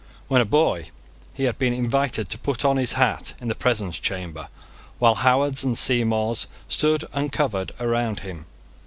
When a boy he had been invited to put on his hat in the presence chamber, while Howards and Seymours stood uncovered round him.